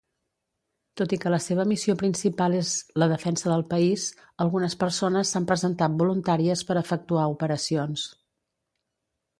Tot i que la seva missió principal és la "defensa del país", algunes persones s'han presentat voluntàries per efectuar operacions.